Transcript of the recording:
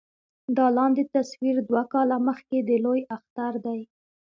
دا لاندې تصوير دوه کاله مخکښې د لوئے اختر دے